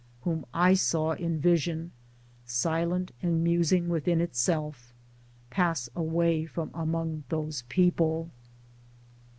whom I saw, in vision, silent and musing within itself, pass away from among those people.